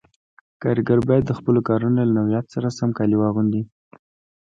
کاریګر باید د خپلو کارونو له نوعیت سره سم کالي واغوندي.